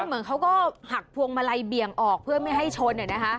เหมือนเขาก็หักพวงมาลัยเบี่ยงออกเพื่อไม่ให้ชน